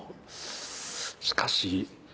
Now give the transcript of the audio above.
しかし。